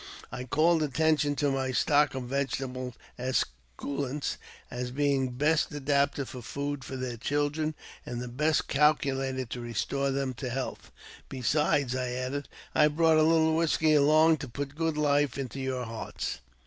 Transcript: I called attention to my stock of vegetable esculents, as being best adapted for food for their children, and the best calculated to restore them to health. " Besides," I added, ''I have brought a little whisky along, to put good life into your hearts."